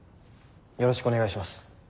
よろしくお願いします。